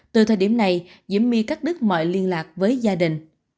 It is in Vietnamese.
từ thời điểm này diễm my cắt đứt mọi liên lạc với gia đình